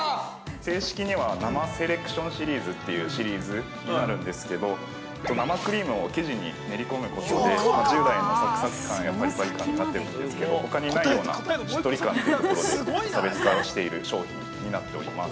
◆正式には生セレクションシリーズというシリーズになるんですけど、生クリームを生地に練り込むことで従来のサクサク感やパリパリ感になっているんですけど、ほかにないようなしっとり感というところで差別化している商品になっております。